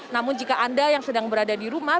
namun jika anda yang sedang berada di rumah